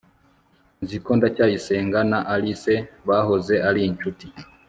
nzi ko ndacyayisenga na alice bahoze ari inshuti